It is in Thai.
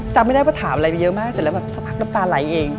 จำไม่ได้ว่าถามอะไรไปเยอะมากเสร็จแล้วแบบสักพักน้ำตาไหลเอง